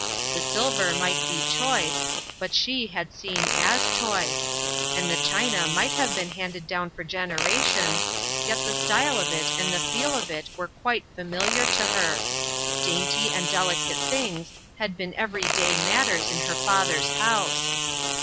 The silver might be choice, but she had seen as choice, and the china might have been handed down for generations, yet the style of it and the feel of it were quite familiar to her. Dainty and delicate things had been every day matters in her father's house.